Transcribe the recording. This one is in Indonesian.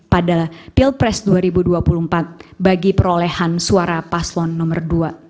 pada pilpres dua ribu dua puluh empat bagi perolehan suara paslon nomor dua